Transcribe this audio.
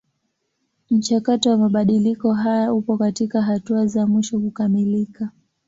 Mchakato wa mabadiliko haya upo katika hatua za mwisho kukamilika.